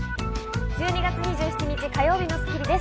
１２月２７日、火曜日の『スッキリ』です。